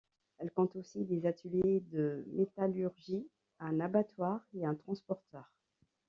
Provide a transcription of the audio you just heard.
Elle compte aussi des ateliers de métallurgie, un abattoir et un transporteur.